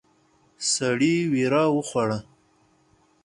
سړی وېره وخوړه.